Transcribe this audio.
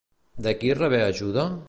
De qui rebé ajuda?